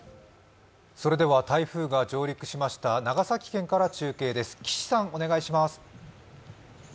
台風が上陸しました長崎県から中継です。